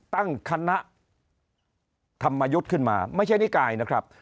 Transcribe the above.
ตั้งคณะธรรมยุทธ์ขึ้นมาไม่ใช่นิกายนะครับ